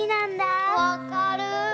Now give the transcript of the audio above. わかる。